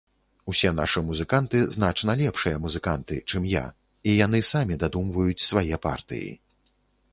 Усе нашы музыканты значна лепшыя музыканты, чым я, і яны самі дадумваюць свае партыі.